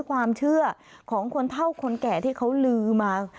ความเชื่อของคนเท่าคนแก่ที่เขาลือมา